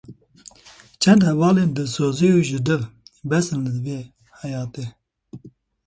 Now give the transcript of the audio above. Çend hevalên dilsoz û jidil bes in li vê heyatê